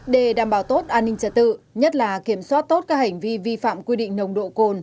để đảm bảo tốt an ninh trật tự nhất là kiểm soát tốt các hành vi vi phạm quy định nồng độ cồn